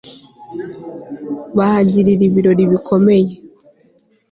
bahagirira ibirori bikomeye